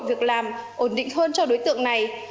để làm ổn định hơn cho đối tượng này